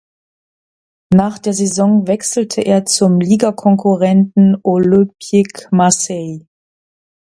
Nach der Saison wechselte er zum Ligakonkurrenten Olympique Marseille.